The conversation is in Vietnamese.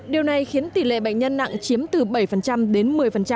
điều này khiến tỷ lệ bệnh nhân nặng chiếm từ bảy đến một mươi